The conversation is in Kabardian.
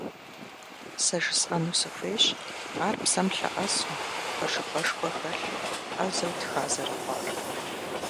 Сэ жысӀэну сыхуейщ ар псэм лъэӀэсу, пэжыгъэшхуэ хэлъу, Ӏэзэу тха зэрыхъуар.